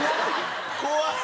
怖っ。